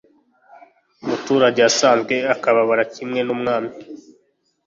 umuturage usanzwe akababara kimwe n'umwami